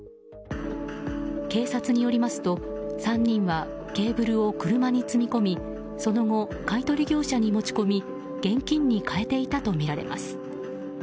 警察によりますと３人はケーブルを車に積み込みその後、買い取り業者に持ち込み現金にかえていたとみられます。